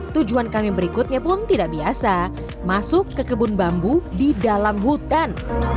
tujuan kami berikutnya pun tidak biasa masuk ke kebun bambu di dalam hutan